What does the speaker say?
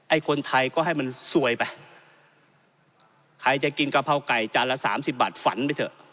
คนไทยก็ให้มันซวยไปใครจะกินกะเพราไก่จานละสามสิบบาทฝันไปเถอะ